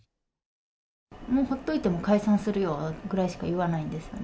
もう放っておいても解散するよくらいしか言わないんですよね。